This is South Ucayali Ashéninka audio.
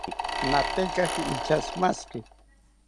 Natekaki inchashimashiki